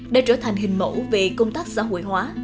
đã trở thành hình mẫu về công tác xã hội hóa